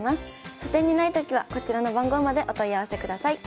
書店にないときはこちらの番号までお問い合わせください。